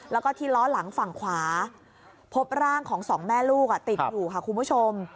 แล้วก็ที่ล้อหลังฝั่งขวาพบร่างของสองแม่ลูกติดอยู่ค่ะคุณผู้ชม